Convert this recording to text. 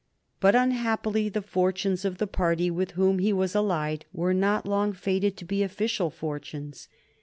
But unhappily, the fortunes of the party with whom he was allied were not long fated to be official fortunes.